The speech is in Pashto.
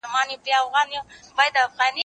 کېدای سي پاکوالی کمزوری وي،